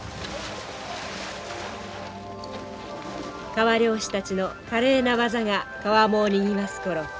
川漁師たちの華麗な技が川面をにぎわす頃